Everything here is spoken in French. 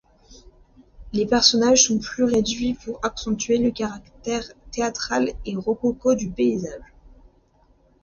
Les personnages sont plus réduits pour accentuer le caractère théâtral et rococo du paysage.